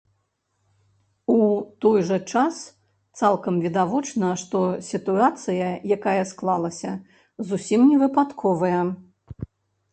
У той жа час цалкам відавочна, што сітуацыя, якая склалася, зусім не выпадковая.